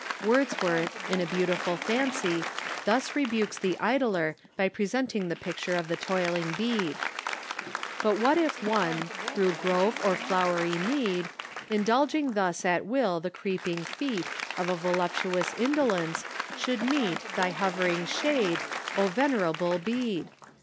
Wordsworth, in a beautiful fancj', thus rebukes the idler by presenting the pict ure of the toiling Bede : "But what if one, through grove or flowery mede, Indulgiug thus at will the creeping feet Of a voluptuous iudolence, should meet Thy hovering shade, O Venerable Bede